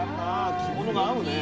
着物が合うね。